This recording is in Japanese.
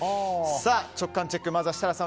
直感チェック、まずは設楽さん